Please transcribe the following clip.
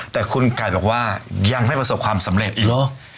แต่คุณไก่บอกว่ายังไม่ประสบความสำเร็จอีกหรอก